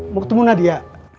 mau ketemu nadia